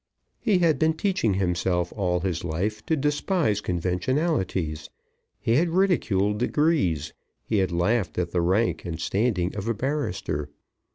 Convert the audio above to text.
He had been teaching himself all his life to despise conventionalities. He had ridiculed degrees. He had laughed at the rank and standing of a barrister.